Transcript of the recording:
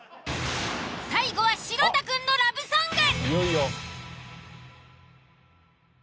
最後は城田くんのラブソング。